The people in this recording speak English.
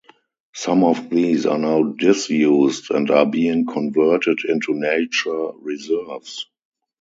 Some of these are now disused and are being converted into nature reserves.